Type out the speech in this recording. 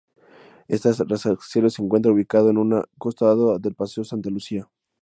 Este rascacielos se encuentra ubicado a un costado del Paseo Santa Lucía.